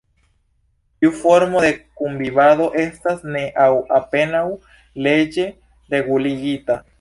Tiu formo de kunvivado estas ne aŭ apenaŭ leĝe reguligita.